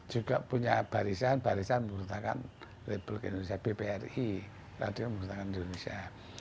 juga punya barisan barisan pembertakan republik indonesia bpri radio pembertakan indonesia